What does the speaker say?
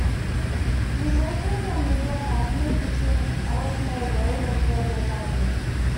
It is located on Midland Avenue between Ellesmere Road and Progress Avenue.